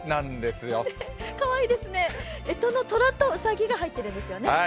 かわいいですね、えとのとらとうさぎが入っているんですよね。